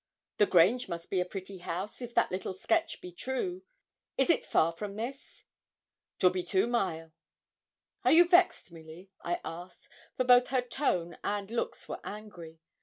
'The Grange must be a pretty house, if that little sketch be true; is it far from this?' ''Twill be two mile.' 'Are you vexed, Milly?' I asked, for both her tone and looks were angry.